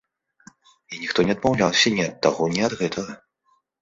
І ніхто не адмаўляўся ні ад таго, ні ад гэтага.